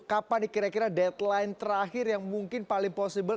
kapan nih kira kira deadline terakhir yang mungkin paling possible